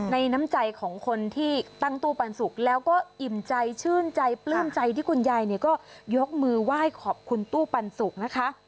น้ำใจของคนที่ตั้งตู้ปันสุกแล้วก็อิ่มใจชื่นใจปลื้มใจที่คุณยายเนี่ยก็ยกมือไหว้ขอบคุณตู้ปันสุกนะคะ